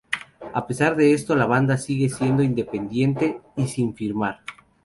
A pesar de esto la banda sigue siendo independiente y sin firmar.